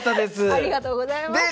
ありがとうございます。